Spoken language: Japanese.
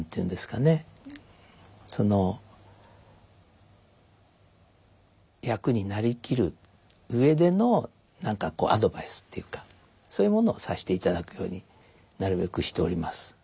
その役に成りきる上での何かアドバイスっていうかそういうものをさしていただくようになるべくしております。